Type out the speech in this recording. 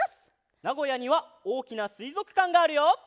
なごやにはおおきなすいぞくかんがあるよ！